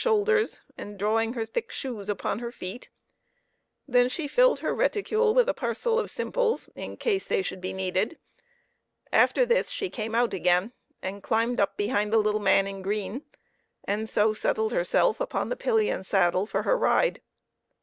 shoulders, and drawing her thick shoes upon her feet. Then she filled her reticule with a parcel of simples, in case they should be needed. After this she came out again, and climbed up behind the little man in green, and so settled herself upon the pillion saddle for her ride.